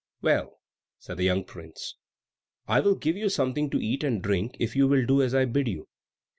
"Well," said the young prince, "I will give you something to eat and drink if you will do as I bid you."